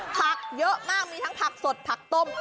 ผักเยอะมากมีทั้งผักสดผักต้ม